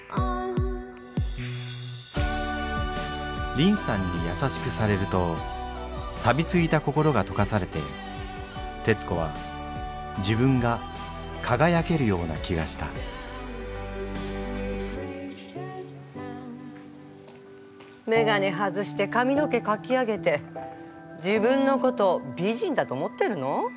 リンサンにやさしくされるとさびついた心がとかされてテツコは自分が輝けるような気がした眼鏡外して髪の毛かき上げて自分のこと美人だと思ってるの？